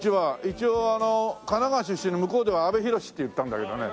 一応あの神奈川出身の向こうでは阿部寛って言ったんだけどね。